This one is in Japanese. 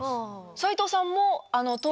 斉藤さんも。